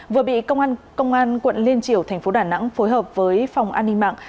vừa bị công an quận liên triều tp đà nẵng phối hợp với phòng an ninh mạng